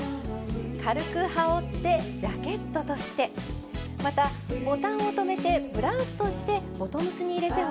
軽くはおってジャケットとしてまたボタンをとめてブラウスとしてボトムスに入れてもすてきです。